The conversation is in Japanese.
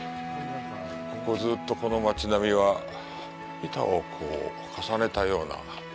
ここ、ずうっと、この町並みは板を重ねたような。